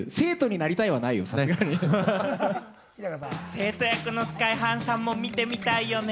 生徒役のＳＫＹ−ＨＩさんも見てみたいよね。